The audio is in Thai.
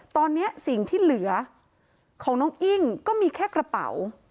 ตอนนี้สิ่งที่เหลือของน้องอิ้งก็มีแค่กระเป๋า